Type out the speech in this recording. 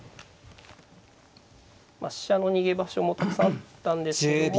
まあ飛車の逃げ場所もたくさんあったんですけども。